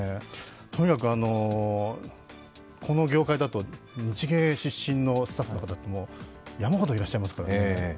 とにかくこの業界だと日芸出身のスタッフの方山ほどいらっしゃいますからね。